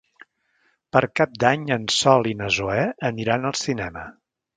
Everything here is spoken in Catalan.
Per Cap d'Any en Sol i na Zoè aniran al cinema.